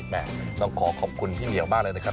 ต้องขอขอบคุณพี่เหมียวมากเลยนะครับ